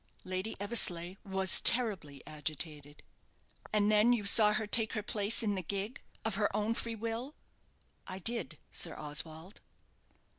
"Lady Eversleigh was terribly agitated." "And then you saw her take her place in the gig, of her own free will?" "I did, Sir Oswald."